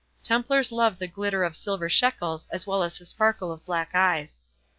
Templars love the glitter of silver shekels as well as the sparkle of black eyes.